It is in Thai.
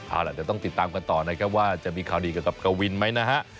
เอาล่ะแต่ต้องติดตามกันต่อนะก็ว่าจะมีข่าวดีกับกะวินไหมนะฮะ